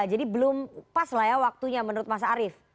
jadi belum pas lah ya waktunya menurut mas arief